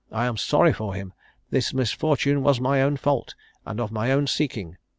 I am sorry for him; this misfortune was my own fault, and of my own seeking.